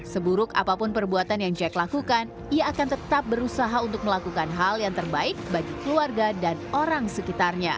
seburuk apapun perbuatan yang jack lakukan ia akan tetap berusaha untuk melakukan hal yang terbaik bagi keluarga dan orang sekitarnya